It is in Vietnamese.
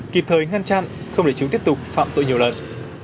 kịp thời ngăn chặn không để chúng tiếp tục phạm tội nhiều lần